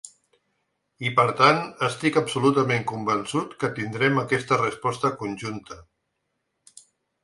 I, per tant, estic absolutament convençut que tindrem aquesta resposta conjunta.